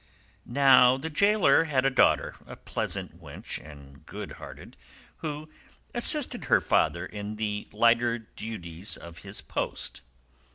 Now the gaoler had a daughter, a pleasant wench and good hearted, who assisted her father in the lighter duties of his post.